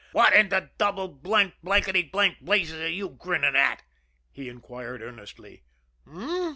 "What in the double blanked, blankety blanked blazes are you grinning at?" he inquired earnestly. "H'm?"